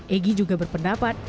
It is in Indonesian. egy juga berpendapat